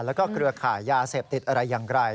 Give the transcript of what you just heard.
แล้วก็เครือข่ายยาเสพติดอะไรอย่างไร